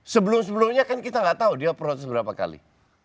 sebelum sebelumnya kan kita nggak tahu dia proses berapa kali